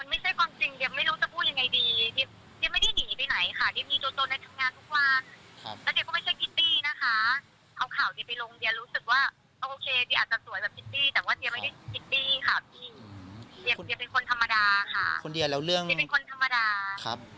เอ่อดิยังไม่ให้คำตอบอะไรนะคะเดี๋ยวเดียขออนุญาต